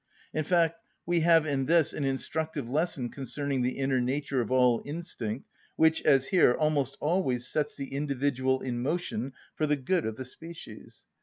In fact, we have in this an instructive lesson concerning the inner nature of all instinct, which, as here, almost always sets the individual in motion for the good of the species.